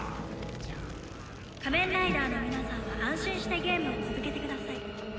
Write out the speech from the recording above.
「仮面ライダーの皆さんは安心してゲームを続けてください」